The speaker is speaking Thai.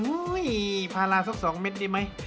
เฮ้ยพาราซ่องเม็ดดีไหม